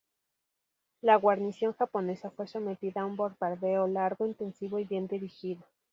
La guarnición japonesa fue sometida a un bombardeo largo, intensivo y bien dirigido.